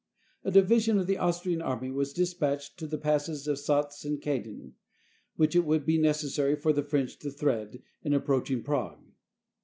A division of the Austrian army was dispatched to the passes of Satz and Caden, which it would be necessary for the French to thread, in approaching Prague.